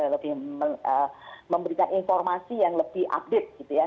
lebih memberikan informasi yang lebih update gitu ya